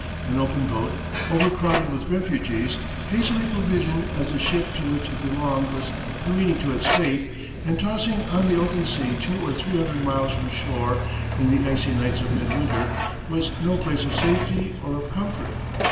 An open boat, overcrowded with refugees, hastily provisioned as the ship to which it belonged was careening to its fate, and tossing on the open sea two or three hundred miles from shore in the icy nights of midwinter was no place of safety or of comfort.